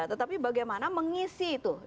tetapi bagaimana mengisi itu